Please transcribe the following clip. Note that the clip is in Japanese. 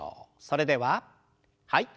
それでははい。